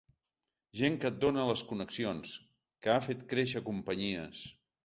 Gent que et dóna les connexions, que ha fet créixer companyies.